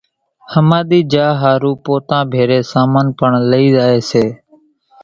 ۿماۮيئين جا ۿارُو پوتا ڀيرون سامان پڻ لئي زائي سي